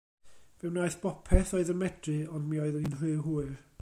Fe wnaeth bopeth oedd yn medru, ond mi oedd hi'n rhy hwyr.